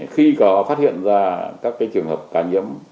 khi có phát hiện ra các trường hợp ca nhiễm